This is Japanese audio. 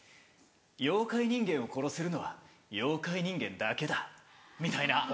「妖怪人間を殺せるのは妖怪人間だけだ」みたいな。